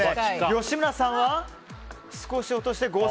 吉村さんは少し落として５０００円。